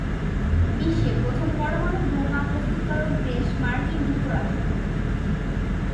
বিশ্বে প্রথম পরমাণু বোমা প্রস্তুতকারক দেশ মার্কিন যুক্তরাষ্ট্র।